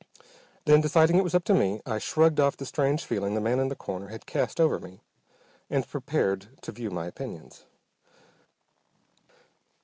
Then, deciding it was up to me, I shrugged off the strange feeling the man in the corner had cast over me, and prepared to view my opinions.